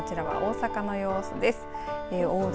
まずこちらは大阪の様子です。